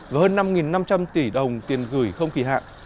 và hơn năm năm trăm linh tỷ đồng tiền gửi không kỳ hạn